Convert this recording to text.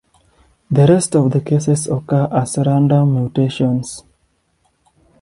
The rest of the cases occur as random mutations.